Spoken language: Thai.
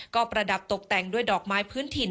ก็ประดับตกแต่งด้วยดอกไม้พื้นถิ่น